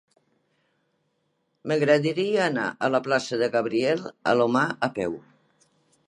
M'agradaria anar a la plaça de Gabriel Alomar a peu.